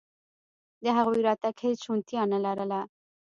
د هغوی راتګ هېڅ شونتیا نه لرله.